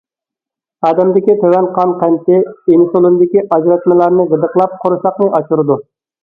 ئادەمدىكى تۆۋەن قان قەنتى، ئىنسۇلىندىكى ئاجراتمىلارنى غىدىقلاپ، قورساقنى ئاچۇرىدۇ.